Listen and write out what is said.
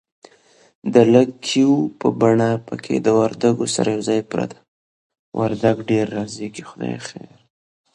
د لږکیو په بڼه پکښې د وردگو سره یوځای پرته